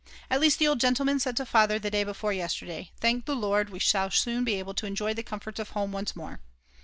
At least the old gentleman said to Father the day before yesterday: "Thank the Lord, we shall soon be able to enjoy the comforts of home once more."